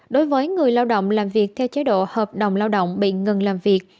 đối với người lao động làm việc theo chế độ hợp đồng lao động bị ngừng làm việc